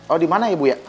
oh dimana ibu ya